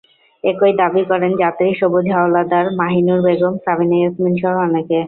একই দাবি করেন যাত্রী সবুজ হাওলাদার, মাহিনুর বেগম, সাবিনা ইয়াসমিনসহ অনেকে।